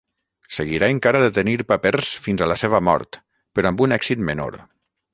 Seguirà encara de tenir papers fins a la seva mort però amb un èxit menor.